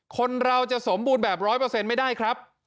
คนเราจะสมบูรณ์แบบ๑๐๐ไม่ได้ครับ